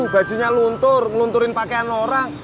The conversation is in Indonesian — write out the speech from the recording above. bajunya luntur nunturin pakaian orang